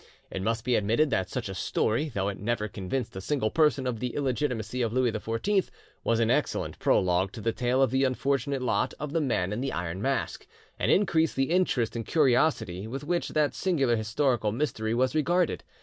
It must be admitted that such a story, though it never convinced a single person of the illegitimacy of Louis XIV, was an excellent prologue to the tale of the unfortunate lot of the Man in the Iron Mask, and increased the interest and curiosity with which that singular historical mystery was regarded.